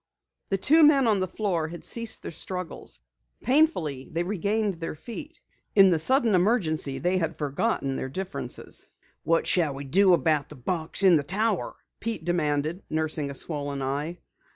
The two men on the floor had ceased their struggles. Painfully they regained their feet. In this sudden emergency they had forgotten their differences. "What shall we do about the box in the tower?" Pete demanded, nursing a swollen eye.